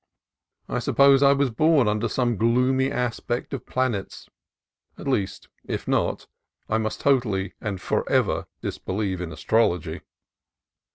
I suppose I was born under some gloomy aspect of planets : at least, if not, I must totally and forever disbelieve in astrology.